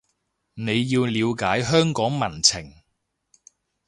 你要了解香港民情